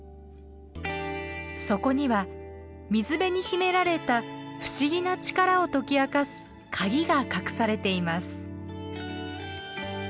そこには水辺に秘められた不思議な力を解き明かすカギが隠されています。